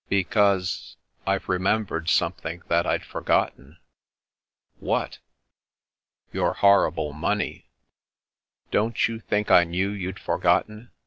"" Because — I've remembered something that I'd forgotten." "What?" " Your horrible money." " Don't you think I loiew you'd forgotten